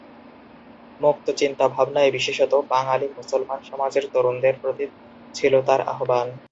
মুক্তচিন্তা ভাবনায় বিশেষত, বাঙালি মুসলমান সমাজের তরুণদের প্রতি ছিল তাঁর আহবান।